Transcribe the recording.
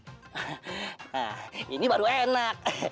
hah ini baru enak